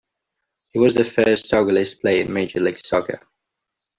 He was the first Togolese player in Major League Soccer.